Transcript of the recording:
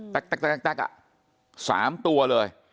ตั๊กตั๊กตั๊กตั๊กตั๊ก๓ตัวเลย